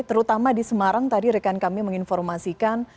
terutama di semarang tadi rekan kami menginformasikan